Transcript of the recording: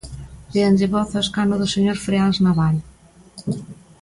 Déanlle voz ao escano do señor Freáns Nabal.